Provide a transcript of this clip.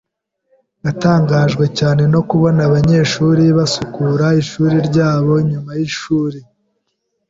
Natangajwe cyane no kubona abanyeshuri basukura ishuri ryabo nyuma yishuri.